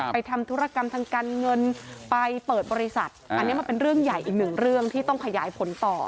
ทำธุรกรรมทางการเงินไปเปิดบริษัทอันนี้มันเป็นเรื่องใหญ่อีกหนึ่งเรื่องที่ต้องขยายผลต่อ